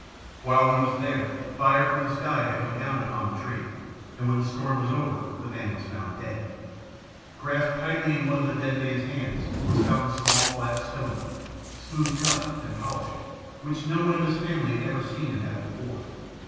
While he was there fire from the sky had come down upon the tree, and when the storm was over the man was found dead. Grasped tightly in one of the dead man's hands was found a small flat stone, smooth cut and polished, which no one of his family had ever seen him have before.